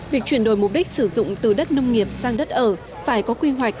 việc chuyển đổi mục đích sử dụng từ đất nông nghiệp sang đất ở phải có quy hoạch